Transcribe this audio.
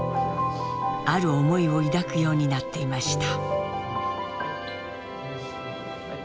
ある思いを抱くようになっていました。